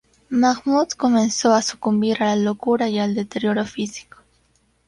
Mahmud comenzó a sucumbir a la locura y al deterioro físico.